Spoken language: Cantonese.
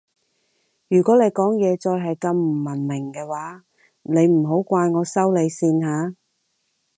如果你講嘢再係咁唔文明嘅話你唔好怪我收你線吓